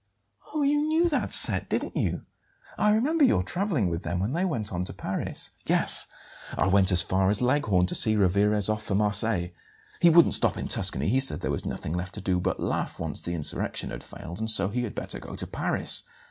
"Oh, you knew that set, didn't you? I remember your travelling with them when they went on to Paris." "Yes; I went as far as Leghorn to see Rivarez off for Marseilles. He wouldn't stop in Tuscany; he said there was nothing left to do but laugh, once the insurrection had failed, and so he had better go to Paris.